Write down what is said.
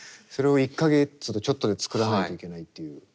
それを１か月とちょっとで作らないといけないっていう。